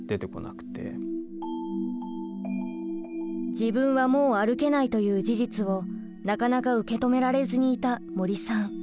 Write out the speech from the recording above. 自分はもう歩けないという事実をなかなか受け止められずにいた森さん。